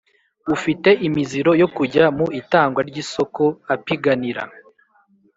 Ufite imiziro yo kujya mu itangwa ry isoko apiganira